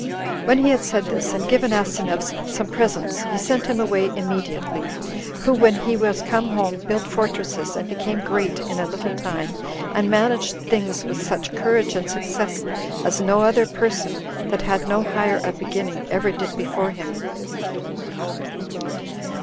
When he had said this, and given Asineus some presents, he sent him away immediately; who, when he was come home, built fortresses, and became great in a little time, and managed things with such courage and success, as no other person, that had no higher a beginning, ever did before him.